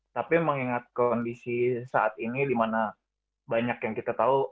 tapi mengingat kondisi saat ini dimana banyak yang kita tahu